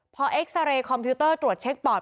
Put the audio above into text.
พอเอ็กซาเรย์คอมพิวเตอร์ตรวจเช็คปอด